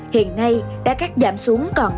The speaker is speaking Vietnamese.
hiện nay đã cắt giảm xuống còn nhiều